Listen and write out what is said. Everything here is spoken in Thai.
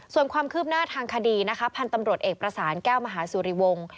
ส่วนความคืบหน้าทางคดีนะคะพันธุ์ตำรวจเอกประสานแก้วมหาสุริวงศ์